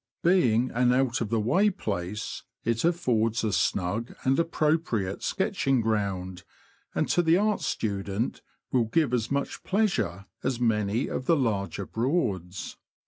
Being an out of the way place, it affords a snug and appropriate sketching ground, and to the art student will give as much pleasure as many of the larger Broads.